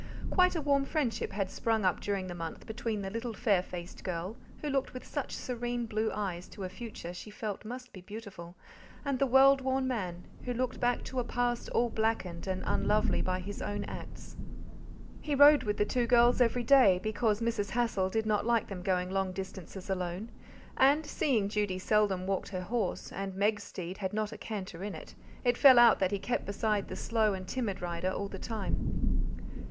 Quite a warm friendship had sprung up during the month between the little fair faced girl, who looked with such serene blue eyes to a future she felt must be beautiful, and the world worn man, who looked back to a past all blackened and unlovely by his own acts. He rode with the two girls every day, because Mrs. Hassal did not like them going long distances alone; and, seeing Judy seldom walked her horse, and Meg's steed had not a canter in it, it fell out that he kept beside the slow and timid rider all the time.